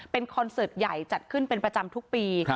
เป็นคอนเสิร์ตใหญ่จัดขึ้นเป็นประจำทุกปี